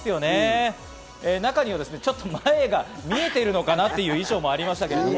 中には、ちょっと前が見えているのかな？っていう衣装もありましたけどね。